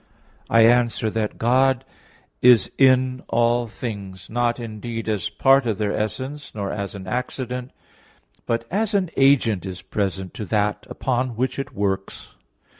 I answer that, God is in all things; not, indeed, as part of their essence, nor as an accident, but as an agent is present to that upon which it works.